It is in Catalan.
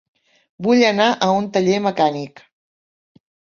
Vull anar a un taller mecànic.